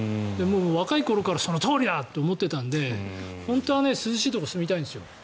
若い頃からそのとおりだって思っていたので本当は涼しいところに住みたいんですよ。